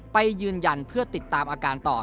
ไปยืนยันเพื่อติดตามอาการต่อ